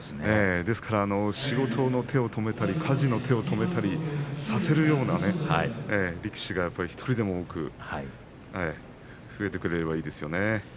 ですから、仕事の手をあるいは家事の手を止めたりするような力士が１人でも多く増えてくるといいですね。